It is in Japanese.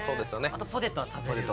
あとポテトは食べるよね。